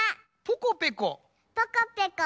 ポコペコ。